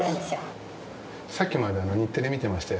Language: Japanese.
さっきまで、ああ。